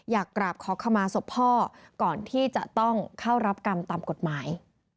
อยากกราบขอขมาศพพ่อก่อนที่จะต้องเข้ารับกรรมตามกฎหมาย